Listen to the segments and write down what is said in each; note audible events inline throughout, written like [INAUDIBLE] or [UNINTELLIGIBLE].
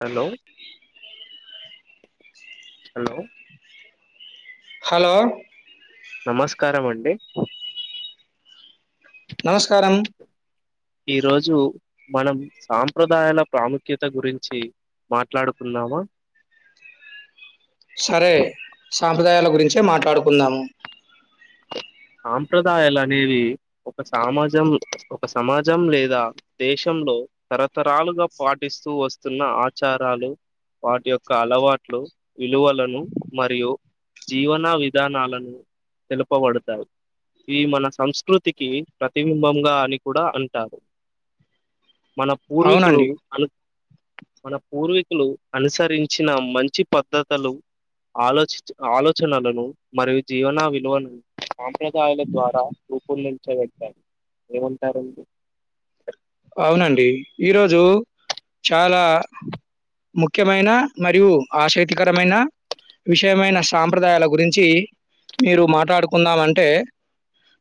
Hello hello hello! నమస్కారమండి. నమస్కారం. ఈ రోజు మనం సాంప్రదాయాల ప్రాముఖ్యత గురించి మాట్లాడుకుందామా? సరే సాంప్రదాయాల గురించే మాట్లాడుకుందాము. సాంప్రదాయాలనేవి ఒక సామాజం ఒక సమాజం లేదా దేశంలో తరతరాలుగా పాటిస్తూ వస్తున్న ఆచారాలు వాటి యొక్క అలవాట్లు, విలువలను మరియు జీవనా విధానాలను తెలుపబడు ఈ మన సంస్కృతికి ప్రతిబింబంగా అని కూడా అంటారు. మన పూర్వీకులు అవునండి అను మన పూర్వీకులు అనుసరించిన మంచి పద్ధతలు ఆలోచించ్ ఆలోచనలను మరియు జీవన విలువను సాంప్రదాయాల ద్వారా గ్రూపులు నిల్చో పెట్టారు ఏమంటారండి. అవునండి ఈ రోజు చాలా ముఖ్యమైన మరియు ఆశక్తికరమైన విషయమైన సాంప్రదాయాల గురించి మీరు మాట్లాడుకుందామంటే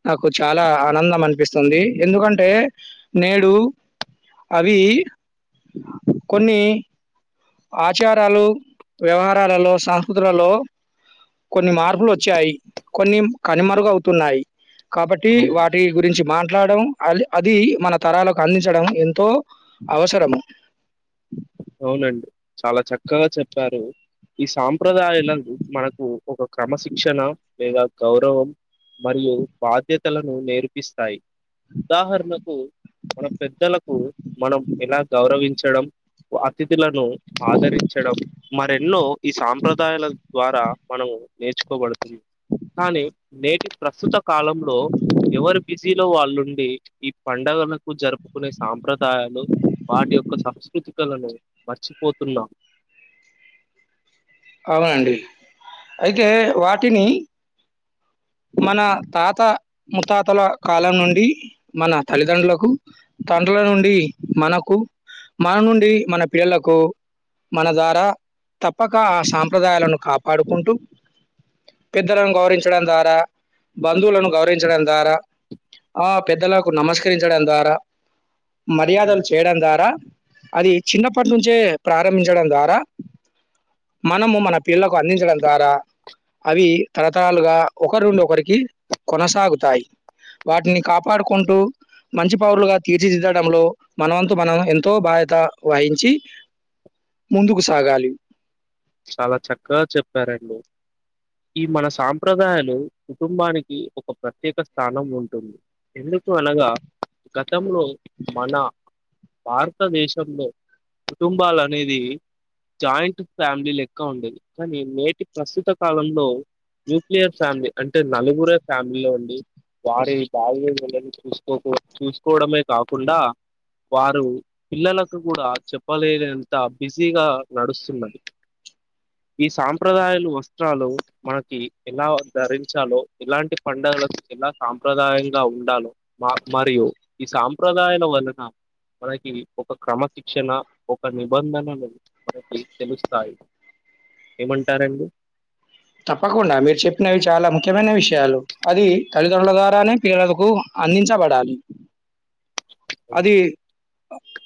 నాకు చాలా ఆనందం అనిపిస్తుంది ఎందుకంటే నేడ్ డు అవీ కొన్నీ ఆచారాలు, వ్యవహారాలలో సాహృద్రలో కొన్ని మార్పులు వచ్చాయి కొన్ని కనుమరుగవుతున్నాయి. కాబట్టీ అవును. వాటి గురించి మాట్లాడం అద్ అదీ మన తరాలకు అందించడం ఎంతో అవసరము. అవునండి చాలా చక్కగా చెప్పారు. ఈ సాంప్రదాయాలకు మనకు ఒక క్రమశిక్షణ లేదా గౌరవం మరియు బాధ్యతలను నేర్పిస్తాయి. ఉదాహరణకు మన పెద్దలకు మనం ఎలా గౌరవించడం, అతిథులను ఆదరించడం మరెన్నో ఈ సాంప్రదాయాల ద్వారా మనం నేర్చుకోబడు కానీ నేటి ప్రస్తుత కాలంలో ఎవరు బిజీలో వాళ్ళుండి ఇ పండుగలకు జరుపుకునే సాంప్రదాయాలు వాటి యొక్క సంస్కృతి కళను మర్చిపోతున్నాం అవునండి అయితే వాటిని మన తాత ముత్తాతల కాలం నుండి మన తల్లిదండ్రులకు తండ్రుల నుండి మనకు మన నుండి మన పిల్లలకు మన ద్వారా తప్పక ఆ సాంప్రదాయాలను కాపాడుకుంటూ పెద్దలను గౌరవించడం ద్వారా బంధువులను గౌరవించడం ద్వారా ఆ పెద్దలకు నమస్కరించడం ద్వారా మర్యాదలు ఉమ్, చేయడం ద్వారా అది చిన్నప్పటి నుంచే ప్రారంభించడం ద్వారా మనము మన పిల్లకు అందించడం ద్వారా అవి తరతరాలుగా ఒకరినుండి ఒకరికి కొనసాగుతాయి వాటిని కాపాడుకుంటూ మంచి పౌరులుగా తీర్చిదిద్దడంలో మనవంతు మనం ఎంతో బాధ్యత వహించి ముందుకు సాగాలి చాలా చక్కగా చెప్పారండి ఈ మన సాంప్రదాయాలు కుటుంబానికి ఒక ప్రత్యేక స్థానం ఉంటుంది ఎందుకు అనగా గతంలో మన భారతదేశంలో కుటుంబాలనేది జాయింట్ ఫ్యామిలీ లెక్క ఉండేది కానీ నేటి ప్రస్తుత కాలంలో న్యూక్లియర్ ఫ్యామిలీ అంటే నలుగురే ఫ్యామిలీలో అండి వారి బాధ్యతలను చూసుకోక చూసుకోవడమే కాకుండా వారు పిల్లలకు కూడా చెప్పలేనంత బిజీగా నడుస్తున్నది ఈ సాంప్రదాయాలు వస్త్రాలు మనకి ఎలా ధరించాలో ఎలాంటి పండుగలకు ఎలా సాంప్రదాయంగా ఉండాలో మా మరియు ఈ సాంప్రదాయాల వలన మనకి ఒక క్రమశిక్షణ ఒక నిబంధనలు మనకి తెలుస్ టాయి ఏమంటారండి తప్పకుండా మీరు చెప్పినవి చాలా ముఖ్యమైన విషయాలు అది తల్లిదండ్రుల ద్వారానే పిల్లలకు అందించబడాలి అవునండి అది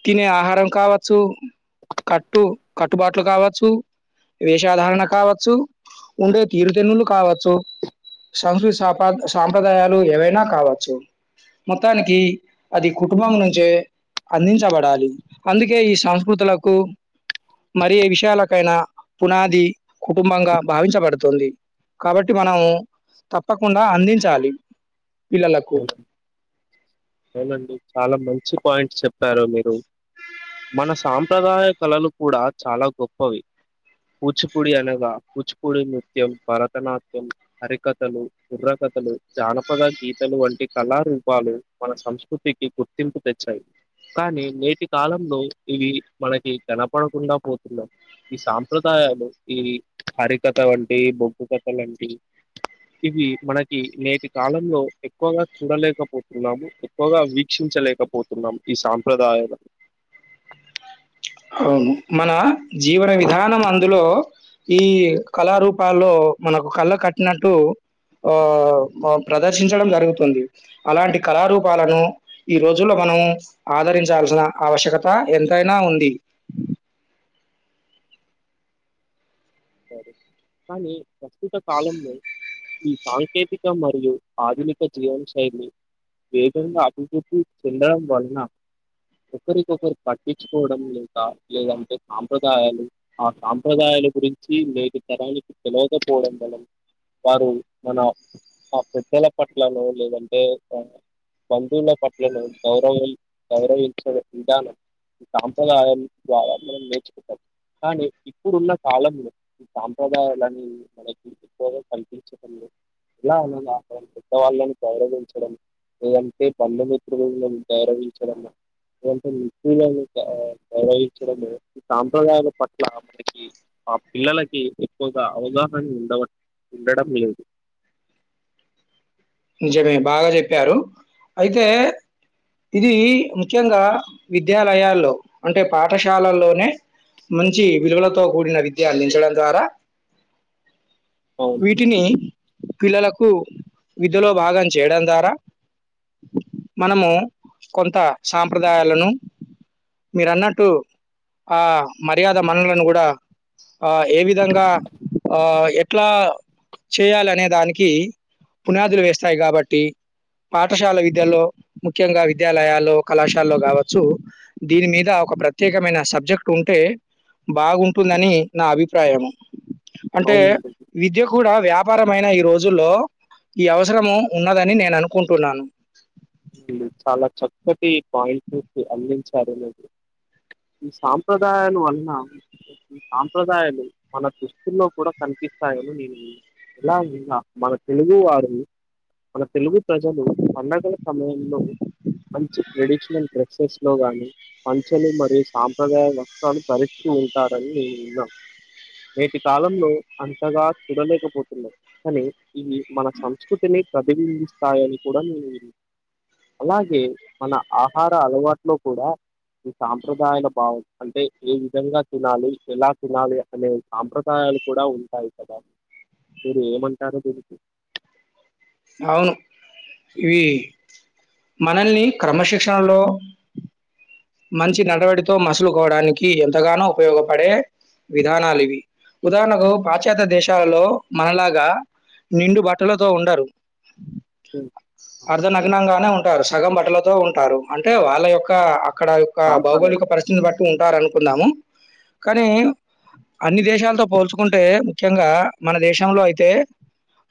తినే ఆహారం కావచ్చు కట్టు కట్టుబాట్లు కావచ్చు వేషధారణ కావచ్చు ఉండే గిరిజనులు కావచ్చు సంస్కృతి సాప సాంప్రదాయాలు ఏవైనా కావచ్చు మొత్తానికి అది కుటుంబం నుంచే అందించబడాలి అందుకే ఈ సంస్కృతులకు మరి విషయాలకైనా పునాది కుటుంబంగా భావించబ పడుతుంది కాబట్టి మనము తప్పకుండా అందించాలి పిల్లలకు అవున అవునండి చాలా మంచి పాయింట్స్ చెప్పారు మీరు మన సాంప్రదాయ కళలు కూడా చాలా గొప్పవి కూచిపూడి అనగా కూచిపూడి నృత్యం భరతనాట్యం హరికథలు బుర్రకథలు జానపద గీ తలు వంటి కళారూపాలు మన సంస్కృతికి గుర్తింపు తెచ్చాయి కానీ నేటి కాలంలో ఇవి మనకి కనపడకుండా పోతున్నాయి ఈ సాంప్రదాయాలు ఈ హరికథ అంటి ఓగ్గు కథలంటి ఇవి మనకి నేటి కాలంలో ఎక్కువగా చూడలేకపోతున్నాము ఎక్కువగా వీక్షించలేకపోతున్నాము ఈ సాంప్రదాయాల అవును మన జీవన విధానం అందులో ఈ కళారూపాల్లో మనకు కళ్ళకు కట్టినట్టు ఆ ప్రదర్శించడం జరుగుతుంది అలాంటి కళారూపాలను ఈ రోజుల్లో మనం ఆదరించాల్సిన అవశ్యకత ఎంతైనా ఉంది సరే కానీ ప్రస్తుత కాలంలో ఈ సాంకేతిక మరియు ఆధునిక జీవన శైలి వేగంగా అభివృద్ధి చెందడం వలన ఒకరికొకరు పట్టించుకోవడం లేక లేదంటే సాంప్రదాయాలు ఆ సాంప్రదాయాల గురించి మేటి తరానికి తెలియకపోవడం వల వారు మన ఆ పెద్దల పట్లలో లేదంటే బంధువుల పట్లను గౌరవం గౌరవించడం విధానం సాంప్రదాయం ద్వారా మనం నేర్చుకుంటాం కానీ ఇప్పుడున్న కాలంలో ఈ సాంప్రదాయాలని మనకి ఎక్కువగా కల్పించడం ఇలా అ నా పెద్ద వాళ్ళని గౌరవించడం లేదంటే బంధుమిత్రులను గౌరవించడం లేదంటే స్త్రీలను గౌరవించడం సాంప్రదాయాల పట్ల మనకి ఆ పిల్లలకి ఎక్కువగా అవగాహన ఉండవ ఉండడం లేదు నిజమే బాగా చెప్పారు అయితే ఇది ముఖ్యంగా విద్యాలయాల్లో అంటే పాఠశాలల్లోనే మంచి విలువలతో కూడిన విద్య అందించడం ద్వారా అవును వీటిని పిల్లలకు విధ్యలో భాగం చేయడం ద్వారా మనము కొంత సాంప్రదాయాలను మీరు అన్నట్టు ఆ మర్యాద మనలను కూడా ఆ ఏ విధంగా ఎట్లా చేయాలినే దానికి పునాదులు వేస్తాయి కాబట్టి పాఠశాల విద్యలో ముఖ్యంగా విద్యాలయాల్లో కళాశాలలో కావచ్చు దీని మీద ఒక ప్రత్యేకమైన సబ్జెక్ట్ ఉంటే బాగుంటుందని నా అభిప్రాయం అంటే అవును విద్య కూడా వ్యాపారమైన ఈ రోజుల్లో ఈ అవసరము ఉన్నదని నేను అనుకుంటున్నాను చాలా చక్కటి పాయింట్ను అందించారు మీరు ఈ సాంప్రదాయాలు వలన్నా ఈ సాంప్రదాయాలు మన దృష్టిల్లో కూడా కనిపిస్తాయని నేను ఇలా మన తెలుగు వారు మన తెలుగు ప్రజలు పండుగలు సమయంలో మంచి ట్రెడిషనల్ డ్రెస్సెస్లో గానీ పంచెలు మరియు సాంప్రదాయ వస్త్రాన్ని ధరిస్తూ ఉంటారని నేను విన్నాను నేటి కాలంలో అంతగా చూడలేకపోతున్నాం కానీ ఇవి మన సంస్కృతిని ప్రతిబింబిస్తాయని కూడా నేను అలాగే మన ఆహార అలవాట్లో కూడా ఈ సాంప్రదాయాల భావం అంటే ఏ విధంగా తినాలి ఎలా తినాలి అనే సాంప్రదాయాల కూడా ఉంటాయి కదా మీరు ఏమంటారు దీనికి అవును ఇవి మనల్ని క్రమశిక్షణలో మంచి నడవడితో మసులుకోవడానికి, ఎంతగానో ఉపయోగపడే విదానాలు ఇవి. ఉదాహరణకు పాశ్చాత్య దేశాలలో మనలాగా నిండు బట్టలతో ఉండరు హ్మ్. అర్ధనగ్నంగానే ఉ అంటే సగం బట్టలతో ఉంటారు. అంటే వాళ్ళ యొక్క అక్కడ యొక్క సాంప్రదాయం భౌగోళిక పరిస్థితి బట్టి ఉంటారునుకుందాము. కానీ అన్ని దేశాలతో పోల్చుకుంటే ముఖ్యంగా మన దేశంలో అయితే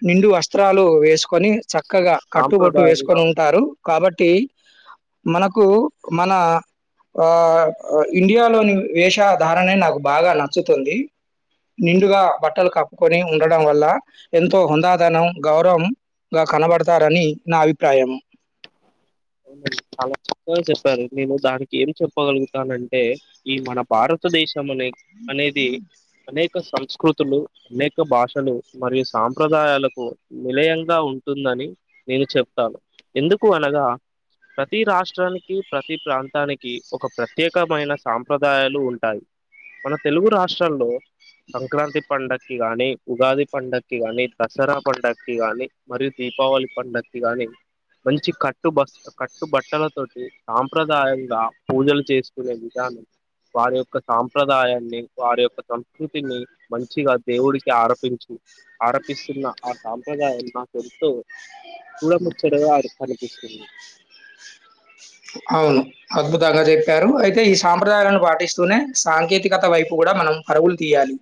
నిండు వస్త్రాలు వేసుకొని చక్కగా కట్టుబొట్టు సాంప్రదాయంగా వేసుకొని ఉంటారు. కాబట్టి మనకు మన ఆ ఇండియాలోని వేషధార నాకు బాగా నచ్చుతుంది నిండుగా బట్టలు కప్పుకొని ఉండడం వల్ల ఎంతో హుందాదనం, గౌరవం గా కనబడతారని నా అభిప్రాయం. చాలా చక్కగా చెప్పారు. నేను దానికి ఏం చెప్పగలుగుతానంటే ఈ మన భారతదేశం అనే అనేది అనేక సంస్కృతులు, అనేక భాషలు మరియు సాంప్రదాయాలకు నిలయంగా ఉంటుందని నేను చెప్తాను. ఎందుకు అనగా ప్రతి రాష్ట్రానికి, ప్రతి ప్రాంతానికి ఒక ప్రత్యేకమైన సాంప్రదాయాలు ఉంటాయి. మన తెలుగు రాష్ట్రాల్లో సంక్రాంతి పంండగక్కి గాని, ఉగాది పండగక్కి గాని, దసరా పండగక్కి గాని మరియు దీపావళి పండక్కి గాని మంచి కట్ కట్టు బస్ కట్టు బట్టల తోటి సాంప్రదాయంగా పూజలు చేసుకునే విధానం వారి యొక్క సాంప్రదాయాన్ని, వారి యొక్క సంస్కృతిని మంచిగా దేవుడికి ఆరపించీ ఆరపిస్తున్న ఆ సాంప్రదాయం నాకు ఎంతో చూడముచ్చడగా అ పినిపిస్తుంది. అవును అద్భుతంగా చెప్పారు. అయితే ఈ సాంప్రదాయాలను పాటిస్తూనే సాంకేతికత వైపు కూడా మనం పరుగులు తీయాలి.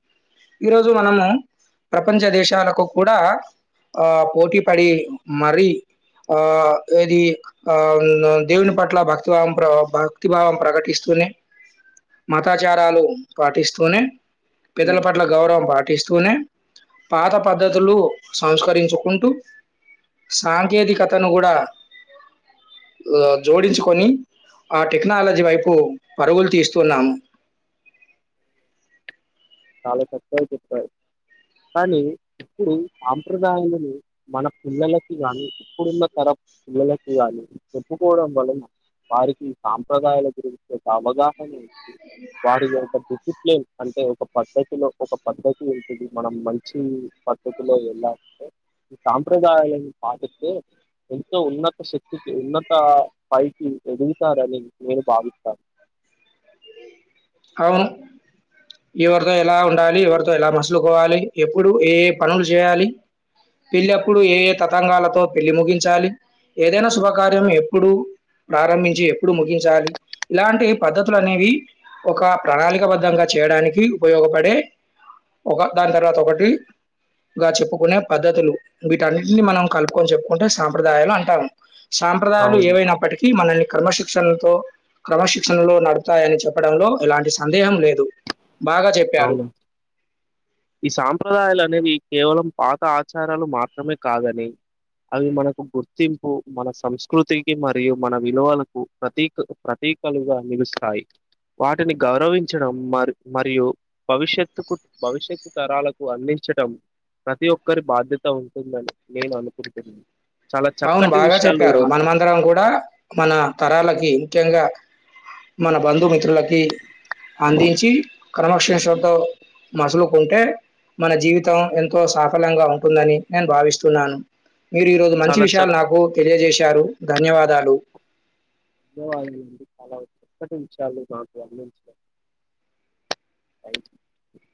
ఈరోజు మనము ప్రపంచ దేశాలకు కూడా ఆ పోటీ పడి మరి ఆ ఏది ఆ దేవుని పట్ల భక్తిభావం, భక్తిభావం ప్రకటిస్తూనే మతాచారాలు పాటిస్తూనే పెద్దల ఉమ్, పట్ల గౌరవం పాటి పాటిస్తూనే పాత పద్ధతులు సంస్కరించుకుంటూ సాంకేతికతను కూడా జోడించుకొని, ఆ టెక్నాలజీ వైపు పరుగులు తీస్తున్నాము. చాలా చక్కగా చెప్పారు. కానీ ఇప్పుడు సాంప్రదాయాలను మన పిల్లలకి గానీ, ఇప్పుడున్న తర పిల్లలకి కానీ చెప్పుకోవడం వలన వారికి సాంప్రదాయాల గురించి ఒక అవగాహన ఉంటుంది. వారి యొక డిసిప్లిన్ అంటే ఒక పద్ధతిలో ఒక పద్ధతి వంటిది. మనం మంచి పద్ధతిలో వెళ్ళాలంటే? సాంప్రదాయంం పాటిస్తే ఎంతో ఉన్నత శక్తికి ఉన్నత పైకి ఎదుగుతారని నేను భావిస్తాను. అవును ఎవరితో ఎలా ఉండాలి, ఎవరితో ఎలా మసులుకోవాలి, ఎప్పుడు ఏ పనులు చేయాలి. పెళ్లిప్పుడు ఏ ఏ తతంగాలతో పెళ్లి ముగించాలి ఏదైనా శుభకార్యం ఎప్పుడు. ప్రారంభించి ఎప్పుడు ముగించాలి ఇలాంటి పద్ధతులు అనేవి. ఒక ప్రణాళిక బద్ధంగా చేయడానికి ఉపయోగపడే. ఒక దాని తర్వాత ఒకటి. గా చెప్పుకునే పద్ధతులు వీటి అన్నిటిని మనం కలుపుకొని చెప్పుకుంటే సాంప్రదాయాలు అంటాం. సాంప్రదాయాలు అవును. ఏవైనప్పటికీ మనల్ని క్రమశిక్షణలతో క్రమశిక్షణలో నడుపూతాయని చెప్పా. పడాంలో ఎలాంటి సందేహం లేదు బాగా చెప్ప. అవును. ఈ సాంప్రదాయాలు అనేవి కేవలం పాత ఆచారాలు మాత్రమే కాదనీ. అవి మనకు గుర్తింపు మన సంస్కృతికి మరియు మన విలువలకు ప్రతి. ప్రతీకలుగా నిలుస్తాయి వాటిని గౌరవించడం మరి మరియు. భవిష్యత్తుకు భవిష్యత్తు తరాలకు అందించడం. ప్రతి ఒక్కరి బాధ్యత ఉంటుందని నేను అనుకుంటున్నా. అవును బాగా చెప్పారు మనమందరం కూడా మన తరాలకి ముఖ్యంగా. మన బంధుమిత్రులకి అందించి క్రమక్షేషంతో. మసులుకుంటే మన జీవితం ఎంతో సఫలంగా ఉంటుందని నేను భావిస్తున్నాను. మీరు ఈ రోజు మంచి చాలా చ విషయాలు నాకు తెలియజేశారు ధన్యవాదాలు. ధన్యవాదాలు అండి చాలా చక్కటి విషయాలు నాకు అందించారు. [UNINTELLIGIBLE]